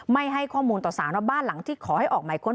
ไม่ให้ข้อมูลต่อสารว่าบ้านหลังที่ขอให้ออกหมายค้น